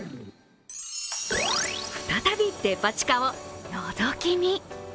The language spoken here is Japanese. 再びデパ地下をのぞき見。